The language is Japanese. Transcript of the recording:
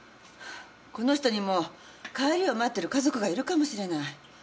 この人にも帰りを待ってる家族がいるかもしれない。